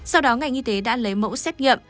sau đó ngành y tế đã lấy mẫu xét nghiệm